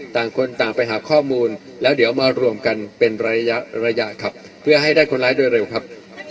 ต่างคนต่างไปหาข้อมูลแล้วเดี๋ยวมารวมกันเป็นระยะระยะครับเพื่อให้ได้คนร้ายโดยเร็วครับ